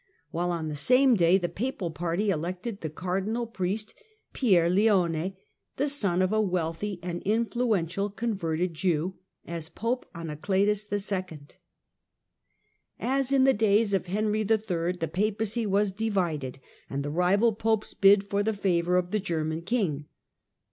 while on the same day the papal party elected the cardinal priest Pierleone, the son of a wealthy and influential converted Jew, as Pope Anacletus II. As in the days of Henry III. the Papacy was divided and the rival Popes bid for the favour of the German king.